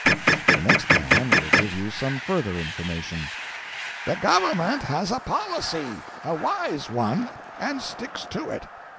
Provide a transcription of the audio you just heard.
The next man will give you some further information. 'The Government has a policy a wise one and sticks to it.